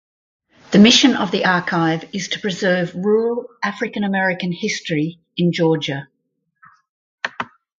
The mission of the archive is to preserve rural African American history in Georgia.